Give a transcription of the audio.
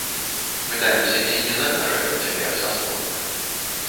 Пытаемся, ці не завяжа ён цяпер са спортам.